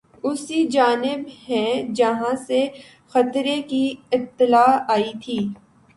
اسی جانب ہیں جہاں سے خطرے کی اطلاع آئی تھی